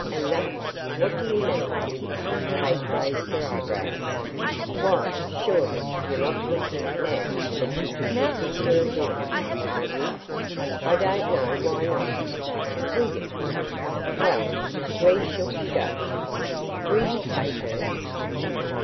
"'Enough'! What do you mean?" Kate raised her eyebrows. "Why, surely, you're not thinking NOW that you can keep this girl here; are you?" "I don't know why not." "William!" "Well, where shall she go? Will you take her?"